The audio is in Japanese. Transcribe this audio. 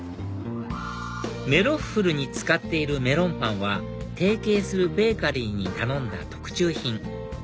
メロッフルに使っているメロンパンは提携するベーカリーに頼んだ特注品